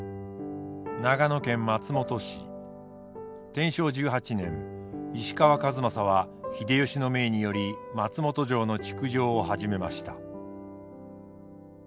天正１８年石川数正は秀吉の命により松本城の築城を始めました。